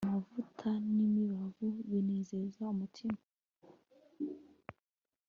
amavuta n'imibavu binezeza umutima